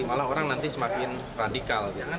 malah orang nanti semakin radikal